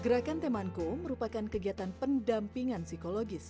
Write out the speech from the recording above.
gerakan temanko merupakan kegiatan pendampingan psikologis